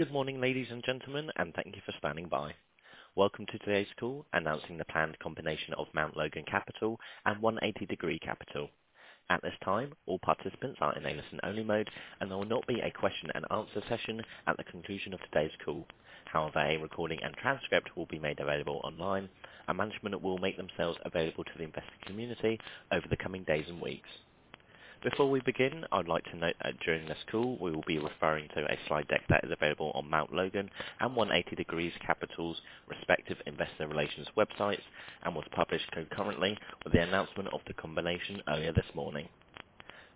Good morning, ladies and gentlemen, and thank you for standing by. Welcome to today's call announcing the planned combination of Mount Logan Capital and 180 Degree Capital. At this time, all participants are in a listen-only mode, and there will not be a question-and-answer session at the conclusion of today's call. However, a recording and transcript will be made available online, and management will make themselves available to the investor community over the coming days and weeks. Before we begin, I'd like to note that during this call, we will be referring to a slide deck that is available on Mount Logan and 180 Degree Capital's respective investor relations websites and was published concurrently with the announcement of the combination earlier this morning.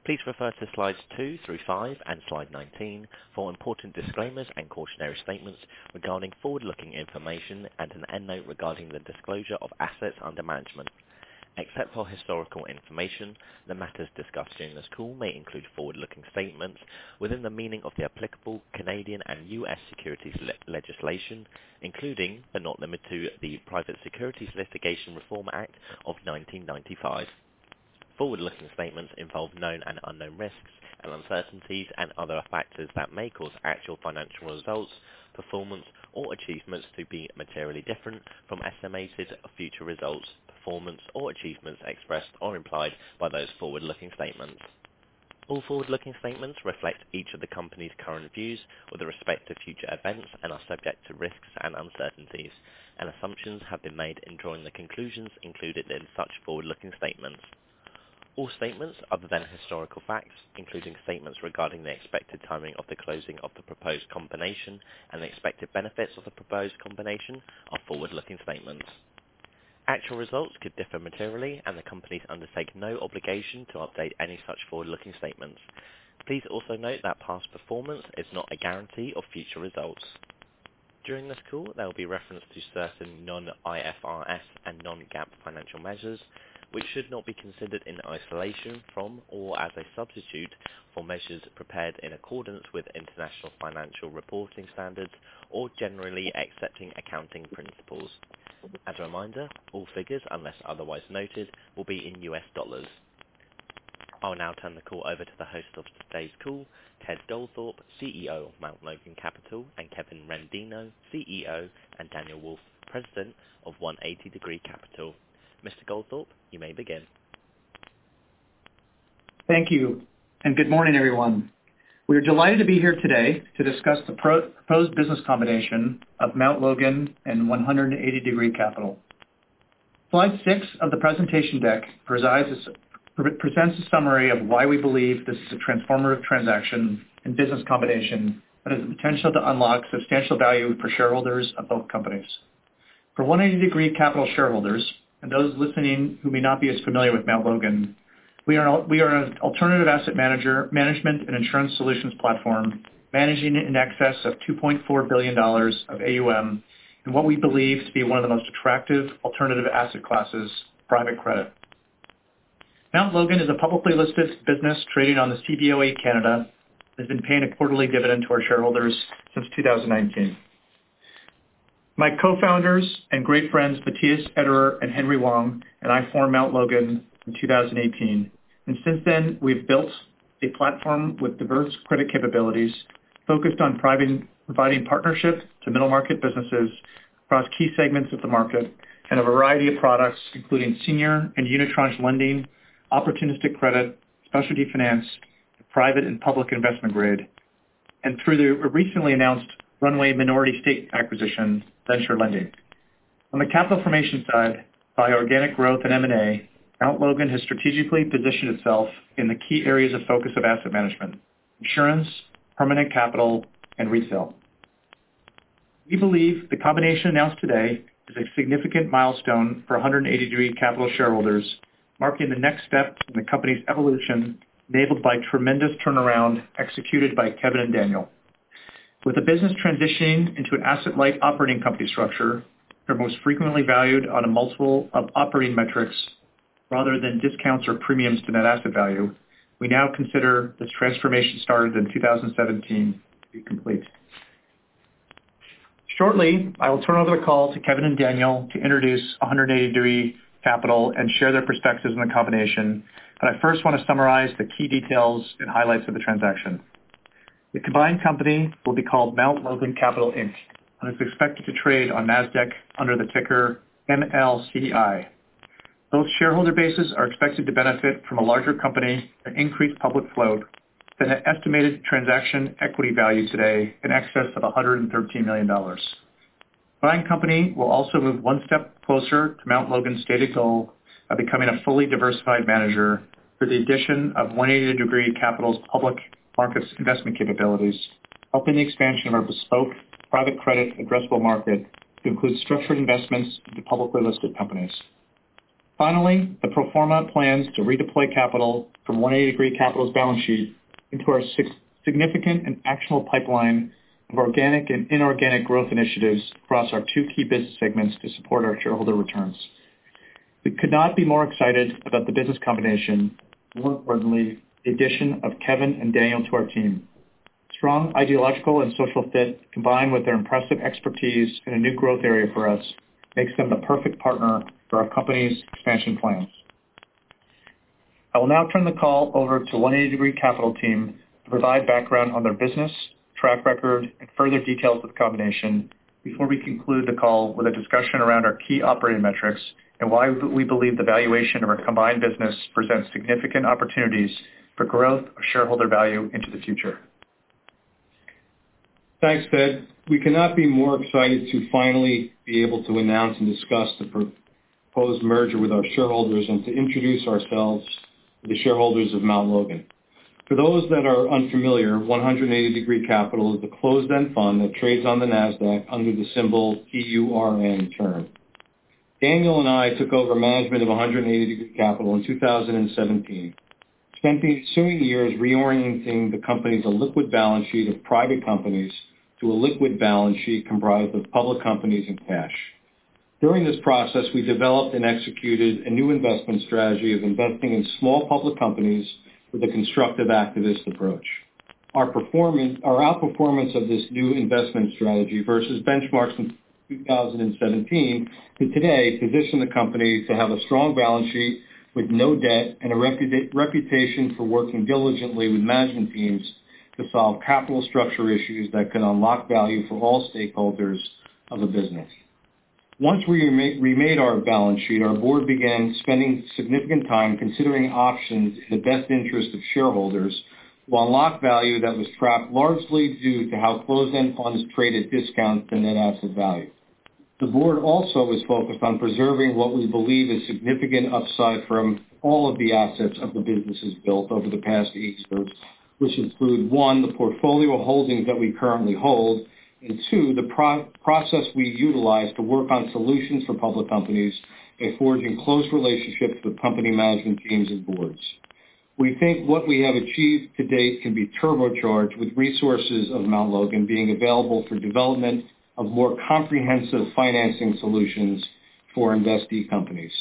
Please refer to slides two through five and slide 19 for important disclaimers and cautionary statements regarding forward-looking information and an end note regarding the disclosure of assets under management. Except for historical information, the matters discussed during this call may include forward-looking statements within the meaning of the applicable Canadian and U.S. securities legislation, including, but not limited to, the Private Securities Litigation Reform Act of 1995. Forward-looking statements involve known and unknown risks and uncertainties and other factors that may cause actual financial results, performance, or achievements to be materially different from estimated future results, performance, or achievements expressed or implied by those forward-looking statements. All forward-looking statements reflect each of the company's current views with respect to future events and are subject to risks and uncertainties, and assumptions have been made in drawing the conclusions included in such forward-looking statements. All statements other than historical facts, including statements regarding the expected timing of the closing of the proposed combination and the expected benefits of the proposed combination, are forward-looking statements. Actual results could differ materially, and the companies undertake no obligation to update any such forward-looking statements. Please also note that past performance is not a guarantee of future results. During this call, there will be reference to certain non-IFRS and non-GAAP financial measures, which should not be considered in isolation from or as a substitute for measures prepared in accordance with International Financial Reporting Standards or Generally Accepted Accounting Principles. As a reminder, all figures, unless otherwise noted, will be in U.S. dollars. I'll now turn the call over to the host of today's call, Ted Goldthorpe, CEO of Mount Logan Capital, and Kevin Rendino, CEO, and Daniel Wolfe, President of 180 Degree Capital. Mr. Goldthorpe, you may begin. Thank you, and good morning, everyone. We are delighted to be here today to discuss the proposed business combination of Mount Logan and 180 Degree Capital. Slide six of the presentation deck presents a summary of why we believe this is a transformative transaction and business combination that has the potential to unlock substantial value for shareholders of both companies. For 180 Degree Capital shareholders and those listening who may not be as familiar with Mount Logan, we are an alternative asset management and insurance solutions platform managing in excess of $2.4 billion of AUM in what we believe to be one of the most attractive alternative asset classes, private credit. Mount Logan is a publicly listed business traded on the Cboe Canada and has been paying a quarterly dividend to our shareholders since 2019. My co-founders and great friends, Matthias Ederer and Henry Wang, and I formed Mount Logan in 2018, and since then, we've built a platform with diverse credit capabilities focused on providing partnership to middle market businesses across key segments of the market and a variety of products, including senior and unitranche lending, opportunistic credit, specialty finance, private and public investment grade, and through the recently announced Runway minority stake acquisition venture lending. On the capital formation side, by organic growth and M&A, Mount Logan has strategically positioned itself in the key areas of focus of asset management: insurance, permanent capital, and resale. We believe the combination announced today is a significant milestone for 180 Degree Capital shareholders, marking the next step in the company's evolution enabled by tremendous turnaround executed by Kevin and Daniel. With the business transitioning into an asset-light operating company structure, most frequently valued on a multiple of operating metrics rather than discounts or premiums to net asset value, we now consider this transformation started in 2017 to be complete. Shortly, I will turn over the call to Kevin and Daniel to introduce 180 Degree Capital and share their perspectives on the combination, but I first want to summarize the key details and highlights of the transaction. The combined company will be called Mount Logan Capital Inc. It's expected to trade on Nasdaq under the ticker MLCI. Both shareholder bases are expected to benefit from a larger company and increased public float than an estimated transaction equity value today in excess of $113 million. The combined company will also move one step closer to Mount Logan's stated goal of becoming a fully diversified manager through the addition of 180 Degree Capital's public markets investment capabilities, helping the expansion of our bespoke private credit addressable market to include structured investments in the publicly listed companies. Finally, the pro forma plans to redeploy capital from 180 Degree Capital's balance sheet into our significant and actionable pipeline of organic and inorganic growth initiatives across our two key business segments to support our shareholder returns. We could not be more excited about the business combination and, more importantly, the addition of Kevin and Daniel to our team. Strong ideological and social fit, combined with their impressive expertise in a new growth area for us, makes them the perfect partner for our company's expansion plans. I will now turn the call over to 180 Degree Capital team to provide background on their business, track record, and further details of the combination before we conclude the call with a discussion around our key operating metrics and why we believe the valuation of our combined business presents significant opportunities for growth of shareholder value into the future. Thanks, Ted. We could not be more excited to finally be able to announce and discuss the proposed merger with our shareholders and to introduce ourselves to the shareholders of Mount Logan. For those that are unfamiliar, 180 Degree Capital is a closed-end fund that trades on the Nasdaq under the symbol TURN. Daniel and I took over management of 180 Degree Capital in 2017, spending ensuing years reorienting the company's illiquid balance sheet of private companies to a liquid balance sheet comprised of public companies and cash. During this process, we developed and executed a new investment strategy of investing in small public companies with a constructive activist approach. Our outperformance of this new investment strategy versus benchmarks in 2017 has today positioned the company to have a strong balance sheet with no debt and a reputation for working diligently with management teams to solve capital structure issues that can unlock value for all stakeholders of a business. Once we remade our balance sheet, our Board began spending significant time considering options in the best interest of shareholders to unlock value that was trapped largely due to how closed-end funds traded discounts to net asset value. The Board also was focused on preserving what we believe is significant upside from all of the assets of the businesses built over the past eight years, which include, one, the portfolio holdings that we currently hold, and two, the process we utilize to work on solutions for public companies by forging close relationships with company management teams and boards. We think what we have achieved to date can be turbocharged with resources of Mount Logan being available for development of more comprehensive financing solutions for investee companies.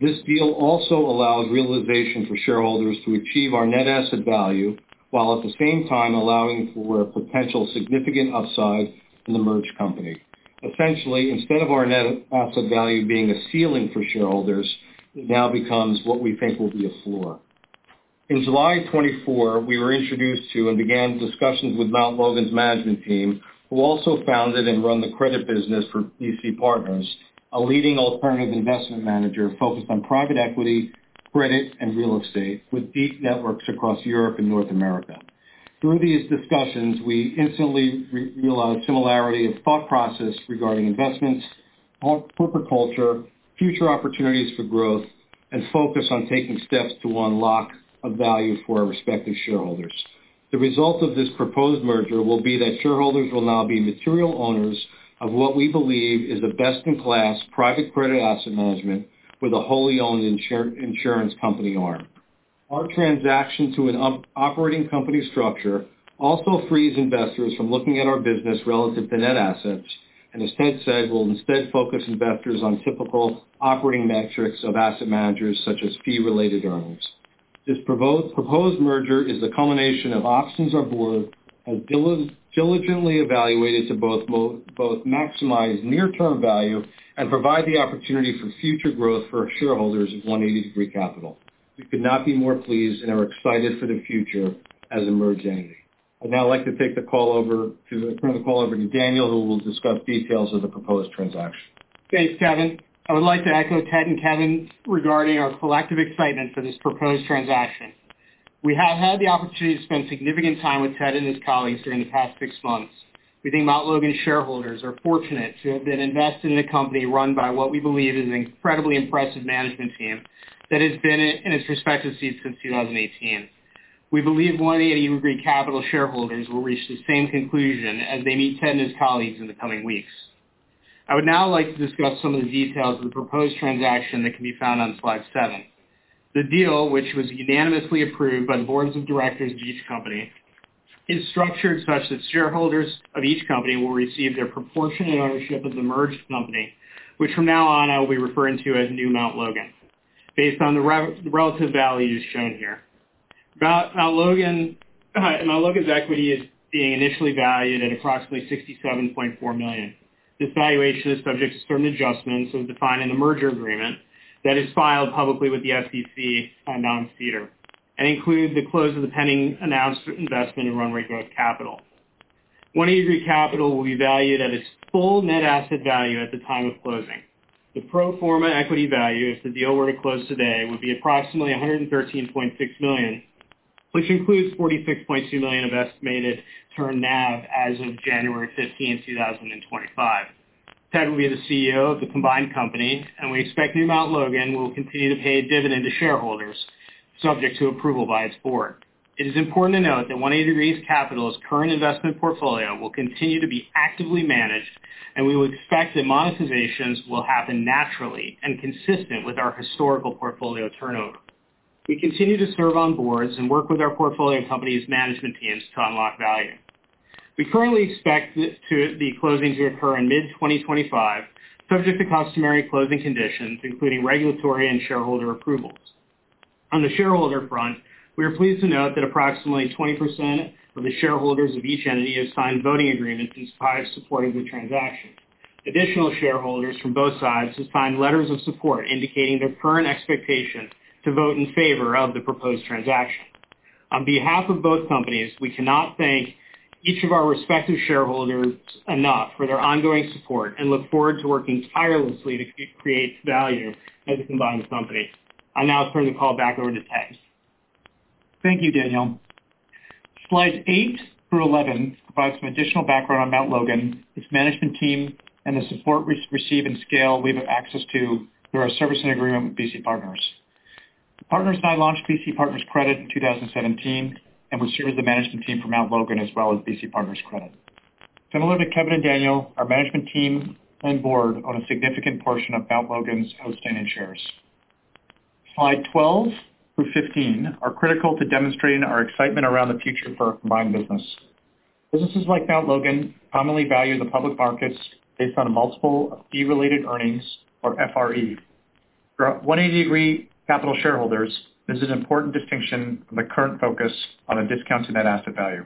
This deal also allows realization for shareholders to achieve our net asset value while at the same time allowing for a potential significant upside in the merged company. Essentially, instead of our net asset value being a ceiling for shareholders, it now becomes what we think will be a floor. In July 2024, we were introduced to and began discussions with Mount Logan's management team, who also founded and run the credit business for BC Partners, a leading alternative investment manager focused on private equity, credit, and real estate with deep networks across Europe and North America. Through these discussions, we instantly realized similarity of thought process regarding investments, corporate culture, future opportunities for growth, and focus on taking steps to unlock value for our respective shareholders. The result of this proposed merger will be that shareholders will now be material owners of what we believe is a best-in-class private credit asset management with a wholly-owned insurance company arm. Our transaction to an operating company structure also frees investors from looking at our business relative to net assets, and as Ted said, we'll instead focus investors on typical operating metrics of asset managers such as fee-related earnings. This proposed merger is the culmination of options our Board has diligently evaluated to both maximize near-term value and provide the opportunity for future growth for shareholders of 180 Degree Capital. We could not be more pleased and are excited for the future as a merged entity. I'd now like to take the call over to Daniel, who will discuss details of the proposed transaction. Thanks, Kevin. I would like to echo Ted and Kevin regarding our collective excitement for this proposed transaction. We have had the opportunity to spend significant time with Ted and his colleagues during the past six months. We think Mount Logan shareholders are fortunate to have been invested in a company run by what we believe is an incredibly impressive management team that has been in its respective seats since 2018. We believe 180 Degree Capital shareholders will reach the same conclusion as they meet Ted and his colleagues in the coming weeks. I would now like to discuss some of the details of the proposed transaction that can be found on slide seven. The deal, which was unanimously approved by the Boards of Directors of each company, is structured such that shareholders of each company will receive their proportionate ownership of the merged company, which from now on I will be referring to as new Mount Logan, based on the relative values shown here. Mount Logan's equity is being initially valued at approximately $67.4 million. This valuation is subject to certain adjustments as defined in the merger agreement that is filed publicly with the SEC and SEDAR. It includes the close of the pending announced investment of Runway Growth Capital. 180 Degree Capital will be valued at its full net asset value at the time of closing. The pro forma equity value, if the deal were to close today, would be approximately $113.6 million, which includes $46.2 million of estimated TURN NAV as of January 15th 2025. Ted will be the CEO of the combined company, and we expect new Mount Logan will continue to pay a dividend to shareholders subject to approval by its Board. It is important to note that 180 Degree Capital's current investment portfolio will continue to be actively managed, and we will expect that monetizations will happen naturally and consistent with our historical portfolio turnover. We continue to serve on boards and work with our portfolio company's management teams to unlock value. We currently expect the closing to occur in mid-2025, subject to customary closing conditions, including regulatory and shareholder approvals. On the shareholder front, we are pleased to note that approximately 20% of the shareholders of each entity have signed voting agreements in support of the transaction. Additional shareholders from both sides have signed letters of support indicating their current expectation to vote in favor of the proposed transaction. On behalf of both companies, we cannot thank each of our respective shareholders enough for their ongoing support and look forward to working tirelessly to create value as a combined company. I'll now turn the call back over to Ted. Thank you, Daniel. Slide eight through 11 provides some additional background on Mount Logan, its management team, and the support we receive and scale we have access to through our service and agreement with BC Partners. Partners and I launched BC Partners Credit in 2017, and we serve as the management team for Mount Logan as well as BC Partners Credit. Similar to Kevin and Daniel, our management team and board own a significant portion of Mount Logan's outstanding shares. Slide 12-15 are critical to demonstrating our excitement around the future for our combined business. Businesses like Mount Logan commonly value the public markets based on multiple fee-related earnings, or FRE. For 180 Degree Capital shareholders, this is an important distinction from the current focus on a discount to net asset value.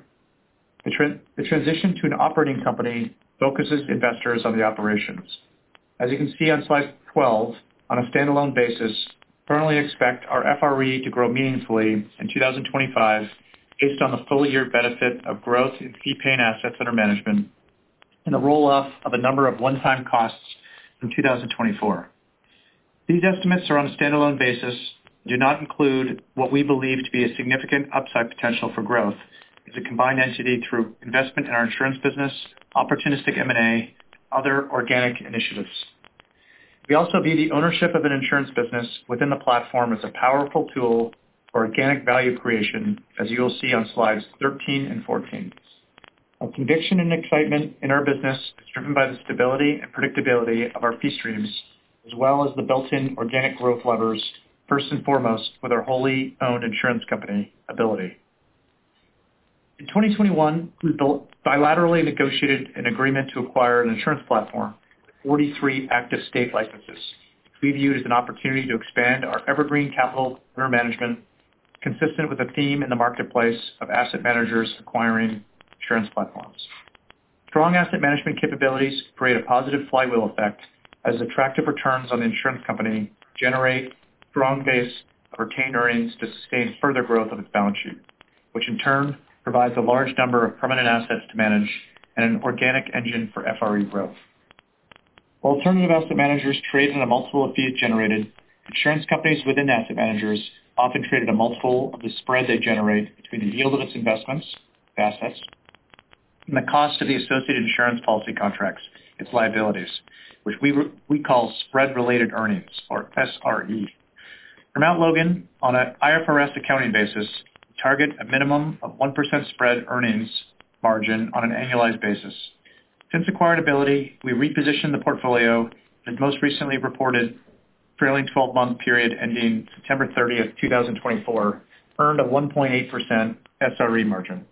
The transition to an operating company focuses investors on the operations. As you can see on slide 12, on a standalone basis, we currently expect our FRE to grow meaningfully in 2025 based on the full year benefit of growth in fee-paying assets under management and the roll-off of a number of one-time costs in 2024. These estimates are on a standalone basis and do not include what we believe to be a significant upside potential for growth as a combined entity through investment in our insurance business, opportunistic M&A, and other organic initiatives. We also view the ownership of an insurance business within the platform as a powerful tool for organic value creation, as you will see on slides 13 and 14. Our conviction and excitement in our business is driven by the stability and predictability of our fee streams, as well as the built-in organic growth levers, first and foremost with our wholly-owned insurance company Ability. In 2021, we bilaterally negotiated an agreement to acquire an insurance platform with 43 active state licenses, which we viewed as an opportunity to expand our evergreen capital under management, consistent with a theme in the marketplace of asset managers acquiring insurance platforms. Strong asset management capabilities create a positive flywheel effect as attractive returns on the insurance company generate a strong base of retained earnings to sustain further growth of its balance sheet, which in turn provides a large number of permanent assets to manage and an organic engine for FRE growth. Alternative asset managers traded on a multiple of fees generated. Insurance companies within asset managers often traded a multiple of the spread they generate between the yield of its investments, the assets, and the cost of the associated insurance policy contracts, its liabilities, which we call spread-related earnings, or SRE. For Mount Logan, on an IFRS accounting basis, we target a minimum of 1% spread earnings margin on an annualized basis. Since acquired Ability, we repositioned the portfolio and most recently reported a trailing 12-month period ending September 30th 2024, earned a 1.8% SRE margin.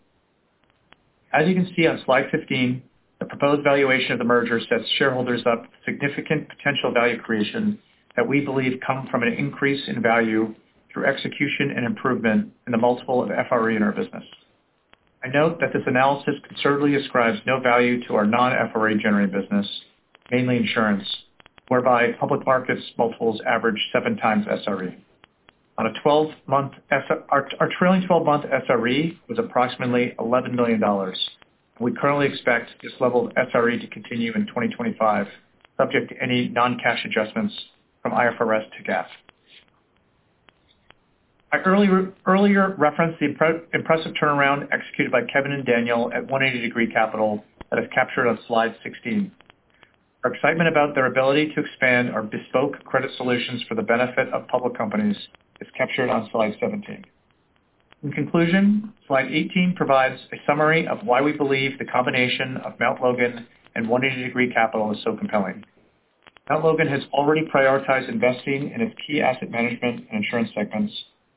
As you can see on slide 15, the proposed valuation of the merger sets shareholders up for significant potential value creation that we believe comes from an increase in value through execution and improvement in the multiple of FRE in our business. I note that this analysis conservatively ascribes no value to our non-FRE generating business, mainly insurance, whereby public markets multiples average 7x SRE. Our trailing 12-month SRE was approximately $11 million, and we currently expect this level of SRE to continue in 2025, subject to any non-cash adjustments from IFRS to GAAP. I earlier referenced the impressive turnaround executed by Kevin and Daniel at 180 Degree Capital that is captured on slide 16. Our excitement about their ability to expand our bespoke credit solutions for the benefit of public companies is captured on slide 17. In conclusion, slide 18 provides a summary of why we believe the combination of Mount Logan and 180 Degree Capital is so compelling. Mount Logan has already prioritized investing in its key asset management and insurance segments.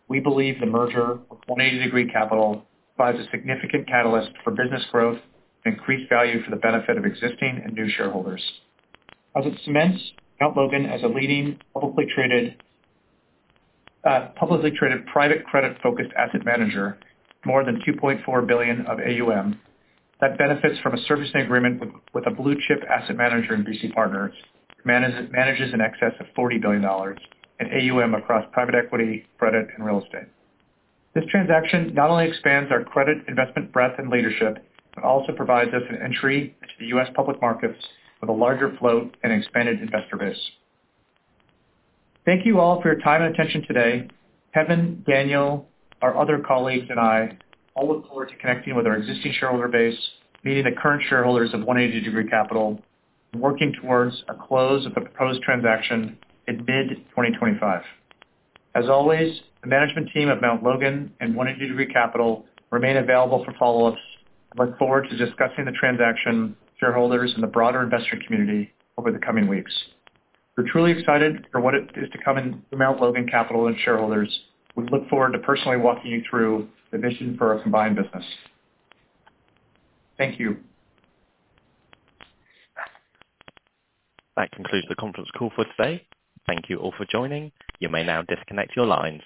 We believe the merger with 180 Degree Capital provides a significant catalyst for business growth and increased value for the benefit of existing and new shareholders. As it cements Mount Logan as a leading publicly traded private credit-focused asset manager with more than $2.4 billion of AUM that benefits from a service and agreement with a blue-chip asset manager in BC Partners, manages an excess of $40 billion in AUM across private equity, credit, and real estate. This transaction not only expands our credit investment breadth and leadership, but also provides us an entry into the U.S. public markets with a larger float and expanded investor base. Thank you all for your time and attention today. Kevin, Daniel, our other colleagues, and I all look forward to connecting with our existing shareholder base, meeting the current shareholders of 180 Degree Capital, and working towards a close of the proposed transaction in mid-2025. As always, the management team of Mount Logan and 180 Degree Capital remain available for follow-ups. I look forward to discussing the transaction, shareholders, and the broader investor community over the coming weeks. We're truly excited for what is to come in Mount Logan Capital and shareholders. We look forward to personally walking you through the vision for our combined business. Thank you. That concludes the conference call for today. Thank you all for joining. You may now disconnect your lines.